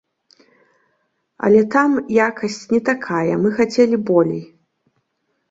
Але там якасць не такая, мы хацелі болей.